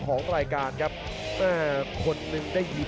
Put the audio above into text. ขวางแขงขวาเจอเททิ้ง